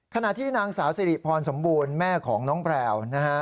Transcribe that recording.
ขณะที่นางสาวสิริพรสมบูรณ์แม่ของน้องแพลวนะฮะ